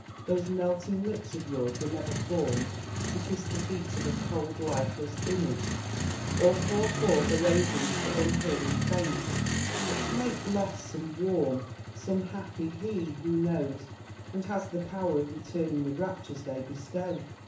Those melting lips of yours were never formed to kiss the feet of a cold lifeless image, or pour forth oraisons to unhearing saints, but to make blest some warm, some happy he, who knows and has the power of returning the raptures they bestow!'